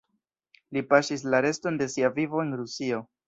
Li paŝis la reston de sia vivo en Rusio.